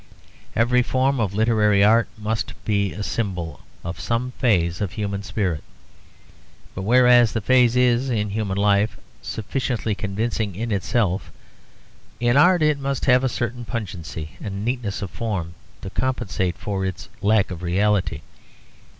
Every form of literary art must be a symbol of some phase of the human spirit; but whereas the phase is, in human life, sufficiently convincing in itself, in art it must have a certain pungency and neatness of form, to compensate for its lack of reality.